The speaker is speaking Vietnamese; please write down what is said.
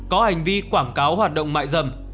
có hành vi quảng cáo hoạt động mại dâm